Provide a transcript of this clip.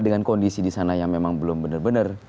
dengan kondisi disana yang memang belum benar benar